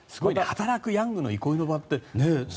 働くヤングの憩いの場って。